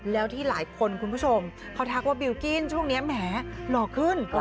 แล้วที่หลายคนคุณผู้ชมเขาทักว่าบิลกิ้นช่วงนี้แหมหล่อขึ้น